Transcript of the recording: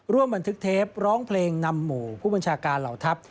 บันทึกเทปร้องเพลงนำหมู่ผู้บัญชาการเหล่าทัพ